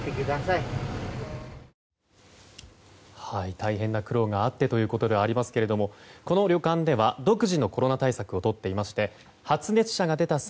大変な苦労があってということではありますがこの旅館では独自のコロナ対策をとっていまして発熱者が出た際